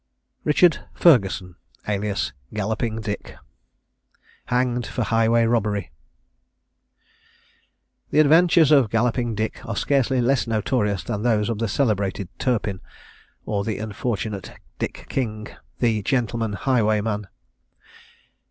RICHARD FERGUSON, alias GALLOPING DICK. HANGED FOR HIGHWAY ROBBERY. The adventures of Galloping Dick are scarcely less notorious than those of the celebrated Turpin, or the unfortunate Dick King, the "Gentleman Highwayman."